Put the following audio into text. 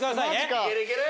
いけるいける！